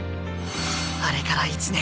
あれから１年。